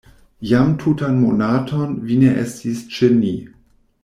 Jam tutan monaton vi ne estis ĉe ni.